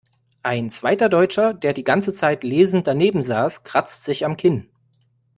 Ein zweiter Deutscher, der die ganze Zeit lesend daneben saß, kratzt sich am Kinn.